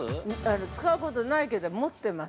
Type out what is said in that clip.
◆使うことないけど持ってます。